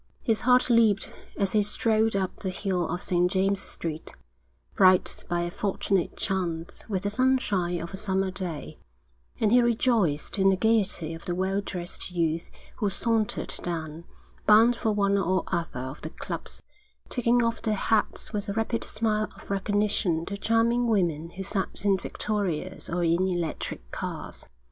His heart leaped as he strolled up the hill of St. James Street, bright by a fortunate chance with the sunshine of a summer day; and he rejoiced in the gaiety of the well dressed youths who sauntered down, bound for one or other of the clubs, taking off their hats with a rapid smile of recognition to charming women who sat in victorias or in electric cars.